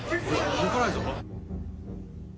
動かないぞ。